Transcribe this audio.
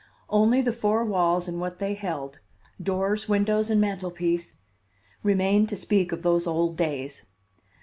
Only the four walls and what they held, doors, windows and mantel piece, remained to speak of those old days.